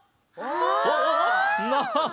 ああ！